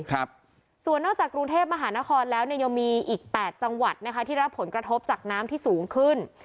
ครับส่วนนอกจากกรุงเทพมหานครแล้วเนี่ยยังมีอีกแปดจังหวัดนะคะที่รับผลกระทบจากน้ำที่สูงขึ้น